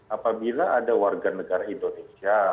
apabila ada warga negara indonesia